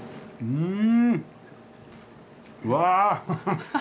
うん。